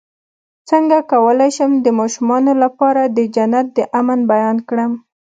څنګه کولی شم د ماشومانو لپاره د جنت د امن بیان کړم